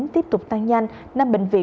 tiếp tục tăng nhanh năm bệnh viện